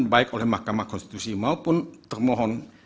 baik oleh mahkamah konstitusi maupun termohon